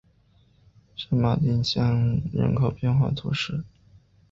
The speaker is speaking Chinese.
圣马丁乡人口变化图示